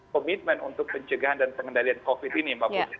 komitmen untuk pencegahan dan pengendalian covid ini